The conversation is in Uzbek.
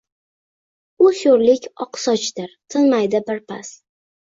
U sho‘rlik oqsochdir, tinmaydi birpas: